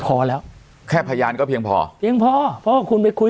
พอแล้วแค่พยานก็เพียงพอเพียงพอเพราะว่าคุณไปคุย